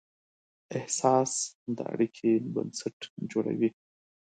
احساس د اړیکې بنسټ جوړوي.